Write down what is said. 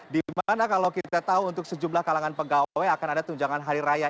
dimana kalau kita tahu untuk sejumlah kalangan pegawai akan ada tunjangan hari raya